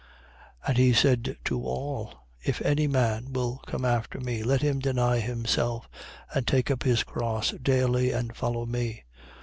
9:23. And he said to all: If any man will come after me, let him deny himself and take up his cross daily and follow me.